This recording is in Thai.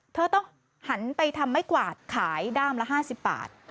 เธอต้องหันไปทำไม้กวาดขายด้ามละ๕๐บาท